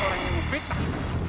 orang yang fitnah